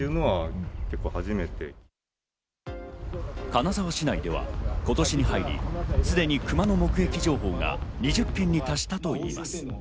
金沢市内では今年に入り、すでにクマの目撃情報が２０件に達したといいます。